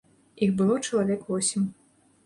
Іх было чалавек восем.